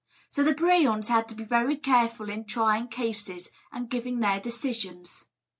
So the brehons had to be very careful in trying cases and giving their decisions.